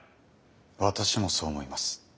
私もそう思います。